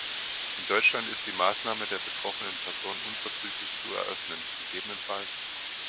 In Deutschland ist die Maßnahme der betroffenen Person unverzüglich zu eröffnen, ggf.